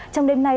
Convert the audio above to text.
trong đêm nay